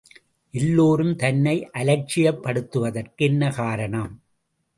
எல்லோரும் தன்னை அலட்சியப் படுத்துவதற்கு என்ன காரணம்?